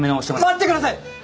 待ってください！